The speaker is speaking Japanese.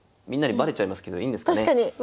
みんなにバレちゃいますけどいいんですかね？